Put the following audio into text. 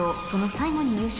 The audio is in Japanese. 最後に優勝？